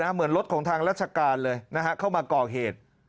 เหมือนรถของทางราชการเลยเข้ามาก่อเหตุ